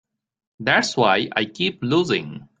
That's why I keep losing.